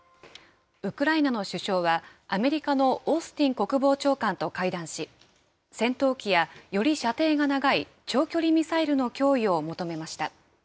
ウクライナの首相は、アメリカのオースティン国防長官と会談し、戦闘機やより射程が長い、長距離ミサイルの供与を求めました。